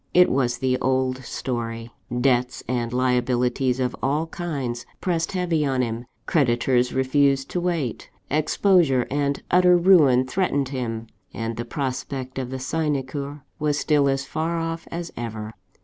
It was the old story: debts and liabilities of all kinds pressed heavy on him creditors refused to wait exposure and utter ruin threatened him and the prospect of the sinecure was still as far off as ever.